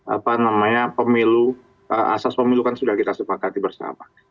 apa namanya asas pemilu kan sudah kita sepakat bersama